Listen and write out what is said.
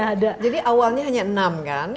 tidak ada jadi awalnya hanya enam kan